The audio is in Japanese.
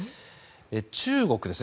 中国ですね。